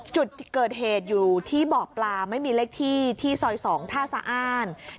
จุดเกิดเหตุอยู่ที่บ่อปลาไม่มีเลขที่ที่ซอย๒ท่าสะอ้าน